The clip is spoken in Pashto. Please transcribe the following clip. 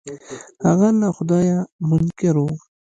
هغه له خدايه منکر و.